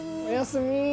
おやすみ。